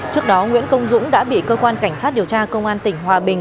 trước đó nguyễn công dũng đã bị cơ quan cảnh sát điều tra công an tỉnh hòa bình